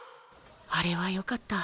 あれはよかった。